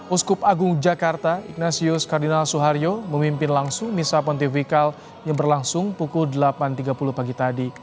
uskup agung jakarta ignatius kardinal suharyo memimpin langsung misa pontifikal yang berlangsung pukul delapan tiga puluh pagi tadi